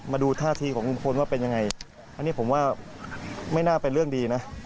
มาดูท่าทีของลุงพลว่าเป็นยังไงอันนี้ผมว่าไม่น่าเป็นเรื่องดีนะ